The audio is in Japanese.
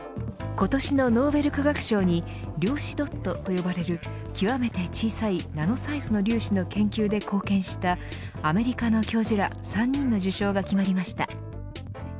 今年のノーベル化学賞に量子ドットと呼ばれる極めて小さいナノサイズの粒子の研究で貢献したアメリカの教授ら３人の受賞が決まりました。